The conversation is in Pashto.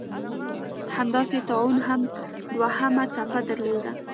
همداسې طاعون هم دوهمه څپه درلوده.